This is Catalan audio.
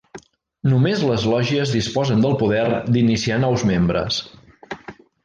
Només les lògies disposen del poder, d'iniciar nous membres.